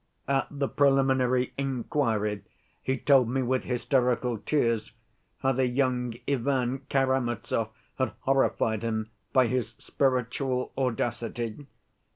At the preliminary inquiry, he told me with hysterical tears how the young Ivan Karamazov had horrified him by his spiritual audacity.